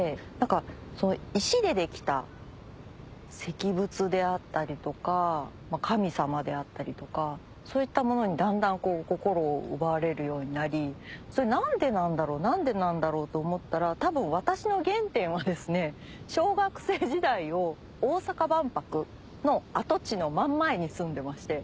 石でできた石仏であったりとか神様であったりとかそういったものにだんだん心を奪われるようになり何でなんだろう何でなんだろうと思ったら多分私の原点はですね小学生時代を大阪万博の跡地の真ん前に住んでまして。